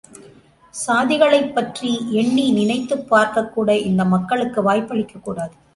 சாதிகளைப் பற்றி எண்ணி நினைத்துப் பார்க்கக்கூட இந்த மக்களுக்கு வாய்ப்பளிக்கக் கூடாது.